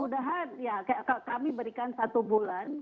mudah mudahan ya kami berikan satu bulan